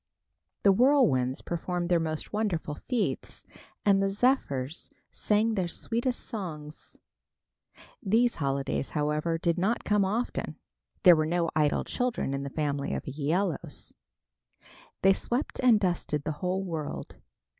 The whirlwinds performed their most wonderful feats, and the zephyrs sang their sweetest songs. These holidays, however, did not come often. There were no idle children in the family of Æolus. They swept and dusted the whole world.